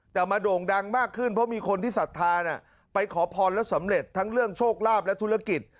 แต่มาโด่งดังมากขึ้นเพราะมีคนที่ศรัทธาไปขอพรแล้วสำเร็จทั้งเรื่องโชคลาภและธุรกิจ